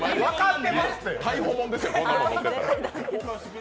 逮捕もんですよ、そんなん持っていったら。